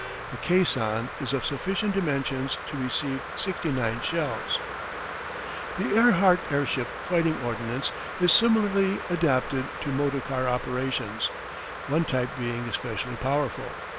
The caisson is of sufficient dimensions to receive 69 shells. The Ehrhardt airship fighting ordnance is similarly adapted to motor car operations, one type being especially powerful.